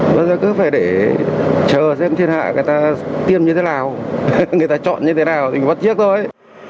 bây giờ cứ phải để chờ xem thiên hạ người ta tiêm như thế nào người ta chọn như thế nào mình vắt chiếc thôi